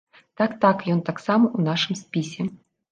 Так, так, ён таксама ў нашым спісе.